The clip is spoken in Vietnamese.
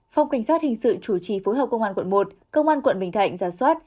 phòng cảnh sát hình sự chủ trì phối hợp công an quận một công an quận bình thạnh giả soát